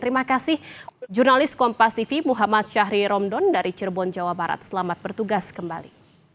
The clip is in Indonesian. terima kasih jurnalis kompas tv muhammad syahri romdon dari cirebon jawa barat selamat bertugas kembali